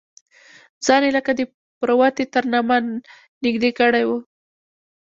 ځان یې لکه د پروتې تر نامه نږدې کړی و.